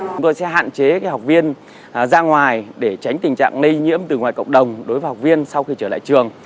chúng tôi sẽ hạn chế học viên ra ngoài để tránh tình trạng lây nhiễm từ ngoài cộng đồng đối với học viên sau khi trở lại trường